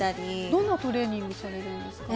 どんなトレーニングをされるんですか？